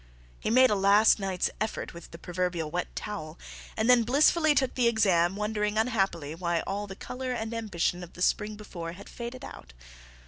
He made a last night's effort with the proverbial wet towel, and then blissfully took the exam, wondering unhappily why all the color and ambition of the spring before had faded out.